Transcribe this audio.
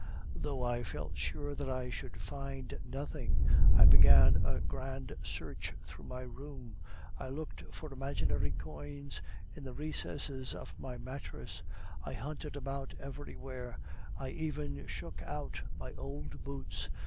Though I felt sure that I should find nothing, I began a grand search through my room; I looked for imaginary coins in the recesses of my mattress; I hunted about everywhere I even shook out my old boots.